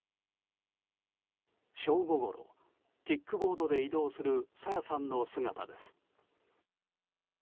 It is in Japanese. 正午ごろキックボードで移動する朝芽さんの姿です。